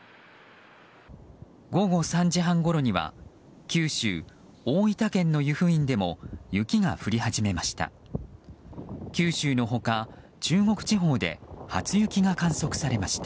午後３時半ごろには九州・大分県の湯布院でも雪が降り始めました。